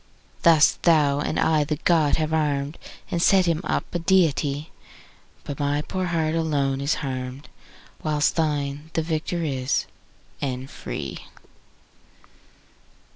Thus thou and I the god have arm'd And set him up a deity; But my poor heart alone is harm'd, 15 Whilst thine the victor is, and free!